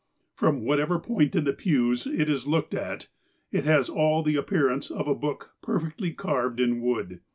From whatever point in the pews it is looked at, it has all the appearance of a book perfectly carved in wood.